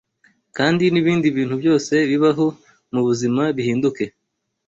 kandi n’ibindi bintu byose bibaho mu buzima bihinduke